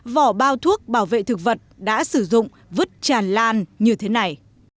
vỏ bao thuốc bảo vệ thực vật đã sử dụng vứt tràn lan như thế này